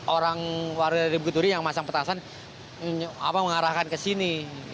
orang warga dari bukuturi yang masang petasan mengarahkan ke sini